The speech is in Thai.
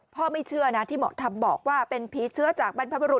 ไม่เชื่อนะที่หมอธรรมบอกว่าเป็นผีเชื้อจากบรรพบรุษ